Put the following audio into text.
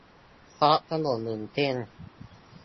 เพราะถนนหนึ่งเส้น